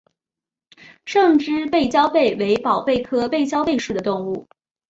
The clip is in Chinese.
胜枝背焦贝为宝贝科背焦贝属的动物。